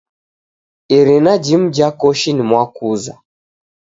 Irina jimu ja koshi ni mwakuza.